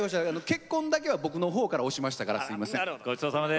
結婚だけは僕のほうから押しましたから。